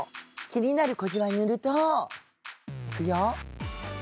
気になる小じわに塗るといくよ。